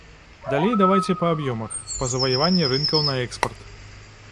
Далей давайце па аб'ёмах, па заваяванні рынкаў на экспарт.